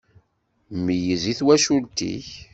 Meyyez i twacult-ik!